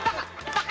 バカ！